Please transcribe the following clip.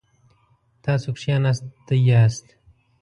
تاسو کښیناستی یاست؟